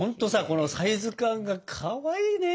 このサイズ感がかわいいね！